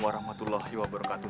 wa rahmatullahi wa barakatuh